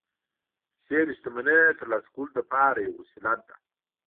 پیسې د شتمنۍ ترلاسه کولو لپاره یوه وسیله ده